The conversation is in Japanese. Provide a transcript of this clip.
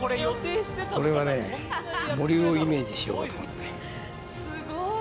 これはね森をイメージしようかと思って。